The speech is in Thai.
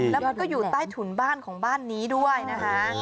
แล้วมันก็อยู่ใต้ถุนบ้านของบ้านนี้ด้วยนะคะ